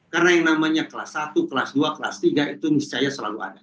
karena yang namanya kelas satu kelas dua kelas tiga itu miscaya selalu ada